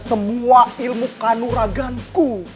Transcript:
semua ilmu kanuraganku